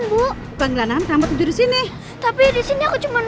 bening bunda bunda